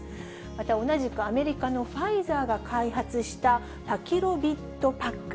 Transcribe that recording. また、同じくアメリカのファイザーが開発した、パキロビッドパック。